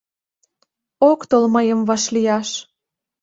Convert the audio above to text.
Ок тол мыйым вашлияш